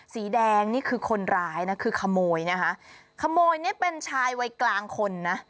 สีแดงนี่คือคนร้ายนะคือขโมยนะคะขโมยเนี่ยเป็นชายวัยกลางคนนะ